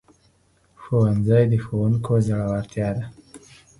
ښوونځی د ښوونکو زړورتیا ده